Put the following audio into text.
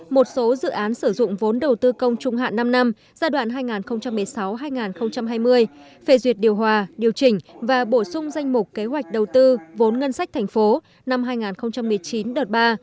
một số dự án sử dụng vốn đầu tư công trung hạn năm năm giai đoạn hai nghìn một mươi sáu hai nghìn hai mươi phê duyệt điều hòa điều chỉnh và bổ sung danh mục kế hoạch đầu tư vốn ngân sách thành phố năm hai nghìn một mươi chín đợt ba